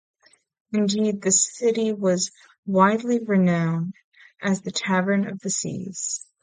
Indeed, the city was widely renowned as "The Tavern of the Seas".